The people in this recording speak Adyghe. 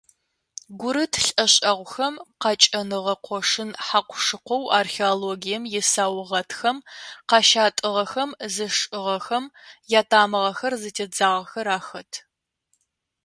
Гурыт лӏэшӏэгъухэм къакӏэныгъэ къошын хьакъу-шыкъоу археологием исаугъэтхэм къащатӏыгъэхэм зышӏыгъэхэм ятамыгъэхэр зытедзагъэхэр ахэт.